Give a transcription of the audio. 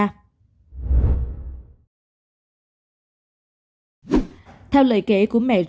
nguyên nhân cụ thể phải chờ cơ quan công an điều tra